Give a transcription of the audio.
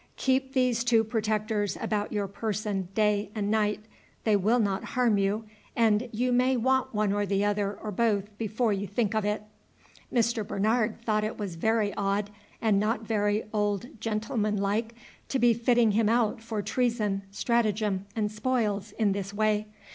Keep these two protectors about your person day and night; they will not harm you, and you may want one or the other or both before you think of it." Mr. Bernard thought it was very odd, and not very old gentlemanlike, to be fitting him out for treason, stratagem, and spoils, in this way.